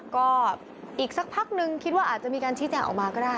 ก็อีกสักพักนึงคิดว่าอาจจะมีการชี้แจงออกมาก็ได้